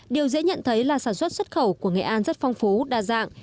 điều dễ nhận thấy là sản xuất xuất khẩu của nghệ an rất phong phú đa dạng